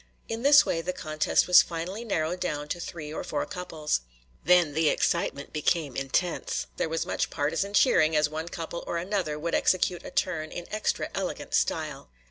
In this way the contest was finally narrowed down to three or four couples. Then the excitement became intense; there was much partisan cheering as one couple or another would execute a turn in extra elegant style.